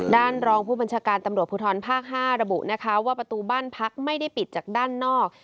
รองผู้บัญชาการตำรวจภูทรภาค๕ระบุนะคะว่าประตูบ้านพักไม่ได้ปิดจากด้านนอก